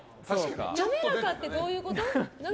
滑らかってどういうこと？